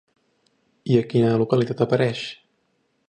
I a quina localitat apareix?